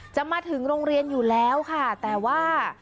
จะมาถึงโรงเรียนอยู่แล้วค่ะแต่ว่า